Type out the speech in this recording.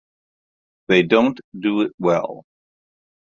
They don't do it well